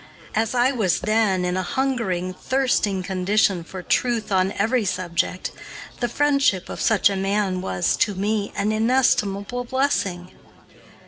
As I was then in a hungering, thirsting condition for truth on every subject, the friendship of such a man was, to me, an inestimable blessing.